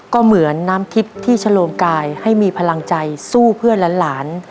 ก็เหมือนน้ำทิพย์ที่ชะโลมกายให้มีพลังใจสู้เพื่อนหลาน